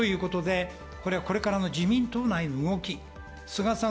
これからの自民党内の動き、菅さん